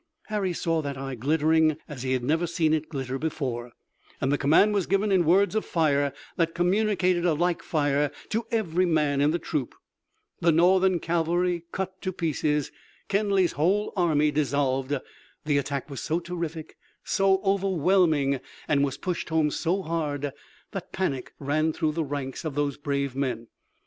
Harry saw that eye glittering as he had never seen it glitter before, and the command was given in words of fire that communicated a like fire to every man in the troop. The Northern cavalry cut to pieces, Kenly's whole army dissolved. The attack was so terrific, so overwhelming, and was pushed home so hard, that panic ran through the ranks of those brave men.